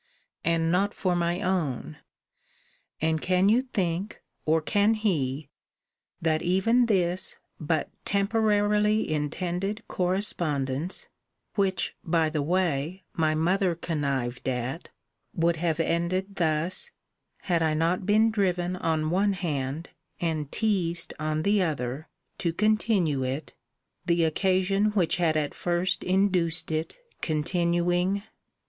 and not for my own. And can you think, or can he, that even this but temporarily intended correspondence (which, by the way, my mother* connived at) would have ended thus, had I not been driven on one hand, and teased on the other, to continue it, the occasion which had at first induced it continuing?